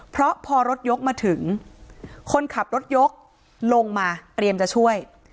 เพราะพอรถยกมาถึงคนขับรถยกลงมาเตรียมจะช่วย